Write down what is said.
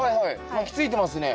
巻きついてますね。